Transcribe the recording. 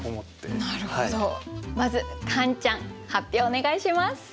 まずカンちゃん発表お願いします。